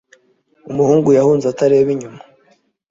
Umuhungu yahunze atareba inyuma.